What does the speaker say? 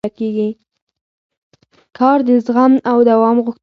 کار د زغم او دوام غوښتنه کوي